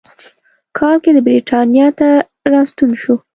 کال کې د برېټانیا ته راستون شو.